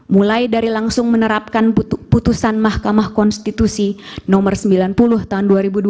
mulai dari langsung menerapkan putusan mahkamah konstitusi nomor sembilan puluh tahun dua ribu dua puluh